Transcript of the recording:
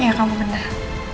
iya kamu benar